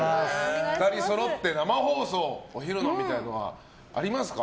２人そろって生放送お昼のみたいなのはありますか？